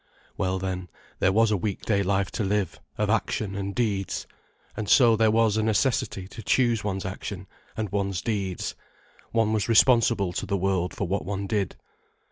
Well, then, there was a weekday life to live, of action and deeds. And so there was a necessity to choose one's action and one's deeds. One was responsible to the world for what one did.